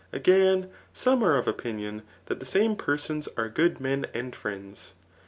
Again, tome are of opinion that the same person^ are good men and friends.